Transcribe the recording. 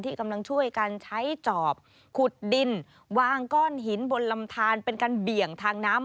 กำลังช่วยกันใช้จอบขุดดินวางก้อนหินบนลำทานเป็นการเบี่ยงทางน้ำ